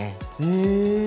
へえ。